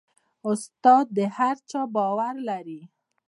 استاد د هر چا باور لري.